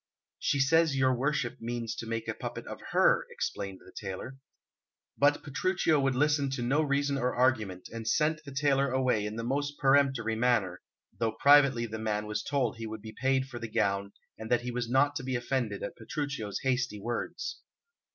"She says your worship means to make a puppet of her," explained the tailor. But Petruchio would listen to no reason or argument, and sent the tailor away in the most peremptory manner, though privately the man was told he would be paid for the gown, and that he was not to be offended at Petruchio's hasty words.